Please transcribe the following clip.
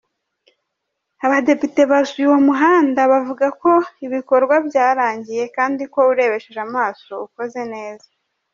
Abadepite basuye uwo muhanda bavuga ko ibikorwa byarangiye kandi ngo urebesheje amaso ukoze neza.